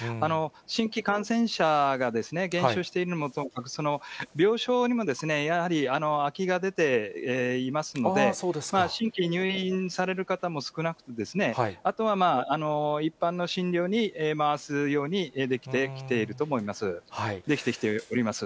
新規感染者が減少しているのも、病床にもやはり空きが出ていますので、新規入院される方も少なくて、あとは一般の診療に回すようにできてきていると思います、できてきております。